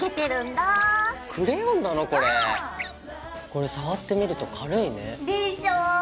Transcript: これ触ってみると軽いね。でしょ？